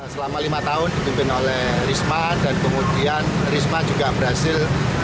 selama lima tahun dipimpin oleh risma dan kemudian risma juga berhasil